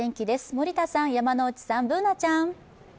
森田さん、山内さん、Ｂｏｏｎａちゃん。